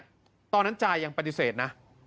ดีใจอะตอนนั้นจายยังปฏิเสธนะ